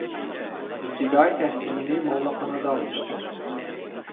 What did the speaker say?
İbtidai təhsilini mollaxanada almışdır.